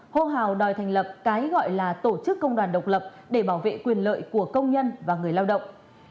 hô hào đòi thành lập cái gọi là tổ chức công đoàn độc lập để bảo vệ quyền lợi của công nhân và người lao động